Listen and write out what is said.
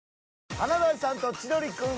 「華大さんと千鳥くん」